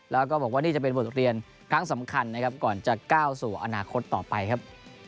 แล้วก็บอกว่านี่จะเป็นบทเรียนครั้งสำคัญนะครับก่อนจะก้าวสู่อนาคตต่อไปครับ